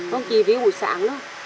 không chỉ vì buổi sáng thôi